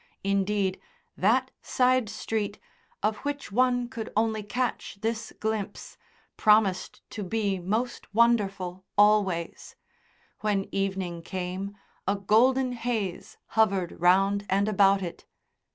Indeed, that side street, of which one could only catch this glimpse, promised to be most wonderful always; when evening came a golden haze hovered round and about it.